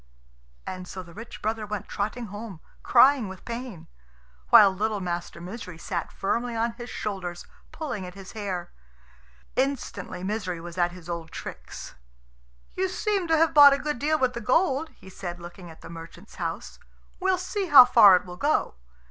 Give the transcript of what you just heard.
And so the rich brother went trotting home, crying with pain; while little Master Misery sat firmly on his shoulders, pulling at his hair. Instantly Misery was at his old tricks. "You seem to have bought a good deal with the gold," he said, looking at the merchant's house. "We'll see how far it will go."